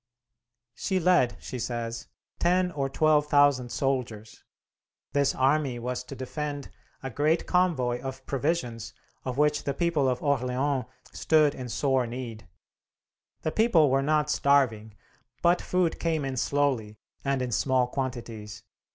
She led, she says, ten or twelve thousand soldiers. This army was to defend a great convoy of provisions of which the people of Orleans stood in sore need. The people were not starving, but food came in slowly, and in small quantities.